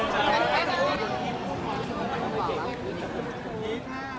โปรดติดตามตอนต่อไป